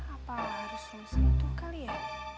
apa harus rum sentuh kali ya